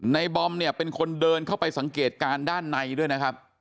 บอมเนี่ยเป็นคนเดินเข้าไปสังเกตการณ์ด้านในด้วยนะครับ